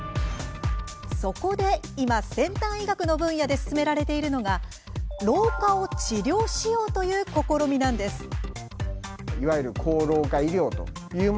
そこで、今、先端医学の分野で進められているのが老化を治療しようという試みなんです。